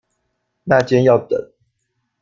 那間要等